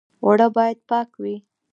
اوړه باید پاک وي